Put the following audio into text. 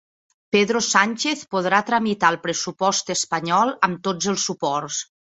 Pedro Sánchez podrà tramitar el pressupost espanyol amb tots els suports